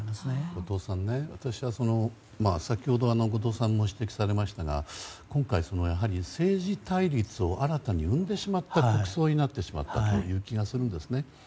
後藤さん、私は先ほど後藤さんも指摘されましたが今回、政治対立を新たに生んでしまった国葬になってしまったという気がするんです。